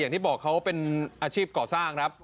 อย่างที่บอกเขาเป็นอาชีพก่อสร้างครับ